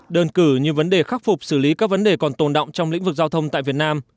đơn cử như vấn đề khắc phục xử lý các vấn đề còn tồn động trong lĩnh vực giao thông tại việt nam